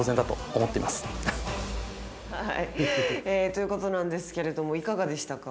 ということなんですけれどもいかがでしたか？